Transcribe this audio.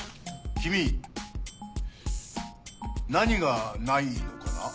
キミ何がないのかな。